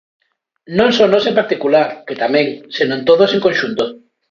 Non só nós en particular, que tamén, senón todos en conxunto.